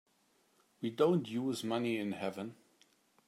We don't use money in heaven.